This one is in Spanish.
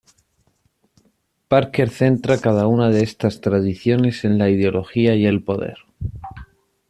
Parker centra cada una de estas tradiciones en la ideología y el poder.